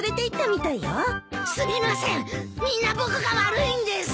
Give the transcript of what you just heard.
みんな僕が悪いんです。